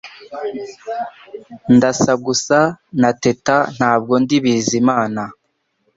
Ndasa gusa na Teta Ntabwo ndi Bizimana